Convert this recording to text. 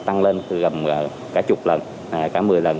tăng lên gầm cả chục lần cả mười lần